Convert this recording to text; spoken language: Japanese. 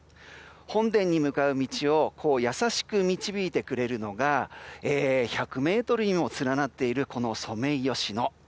本殿に向かう道を優しく導いてくれるのが１００ｍにもつらなっているこのソメイヨシノ。